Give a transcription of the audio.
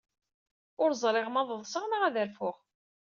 Ur ẓriɣ ma ad ḍseɣ neɣ ad rfuɣ.